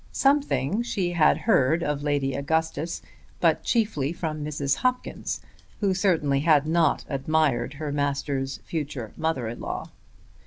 Something she had heard of Lady Augustus, but chiefly from Mrs. Hopkins who certainly had not admired her master's future mother in law.